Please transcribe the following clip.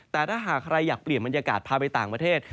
แต่ถ้าหากใครอยากเปลี่ยนบรรยากาศพาไปต่างประเทศ